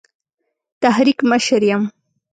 تحریک مشر یم.